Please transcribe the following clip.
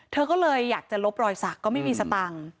เธอเคยอยากจะลบรอยศักดิ์ก็ไม่มีสตางค์